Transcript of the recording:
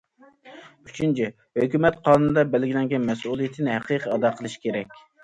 ئۈچىنچى، ھۆكۈمەت قانۇندا بەلگىلەنگەن مەسئۇلىيىتىنى ھەقىقىي ئادا قىلىشى كېرەك.